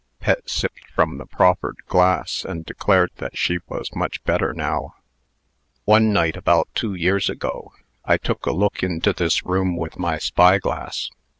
Pet sipped from the proffered glass, and declared that she was much better now, "One night, about two years ago, I took a look into this room with my spyglass.